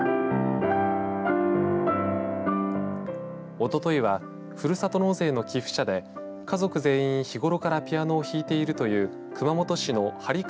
おとといはふるさと納税の寄付者で家族全員日頃からピアノを弾いているという熊本市の張替